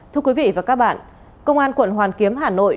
thưa quý vị và các bạn công an quận hoàn kiếm hà nội